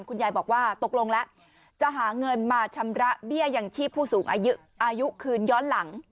คุณยายบอกว่าตกลงแล้วจะหาเงินมาชำระเบี้ยยังชีพผู้สูงอายุอายุคืนย้อนหลัง